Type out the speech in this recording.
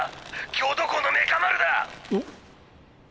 京都校のメカ丸だ！あっ。